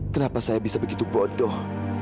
kenapa saya bisa begitu bodoh